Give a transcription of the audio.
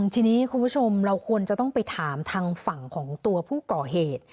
ทีนี้คุณผู้ชมเราควรจะต้องไปถามทางฝั่งของตัวผู้ก่อเหตุ